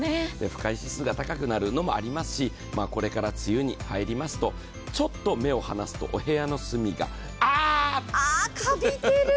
不快指数が高くなるのもありますし、これから梅雨に入りますと、ちょっと目を離しますとかびてる。